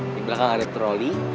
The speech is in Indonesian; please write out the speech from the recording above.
di belakang ada troli